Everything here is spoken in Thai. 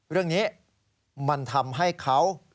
เรื่องนี้มันทำให้เขา